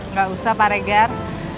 nggak usah pak regar